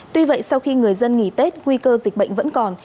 tuy vậy sau khi người dân nghỉ tết nguy cơ dịch bệnh vẫn còn